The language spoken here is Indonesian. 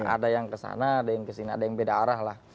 ada yang kesana ada yang kesini ada yang beda arah lah